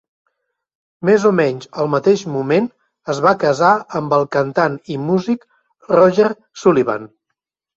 Més o menys al mateix moment, es va casar amb el cantant i músic Roger Sullivan.